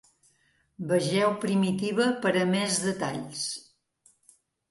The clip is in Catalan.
Vegeu primitiva per a més detalls.